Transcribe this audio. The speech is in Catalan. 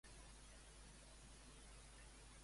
He rebut algun mail recentment de part d'en Ferran?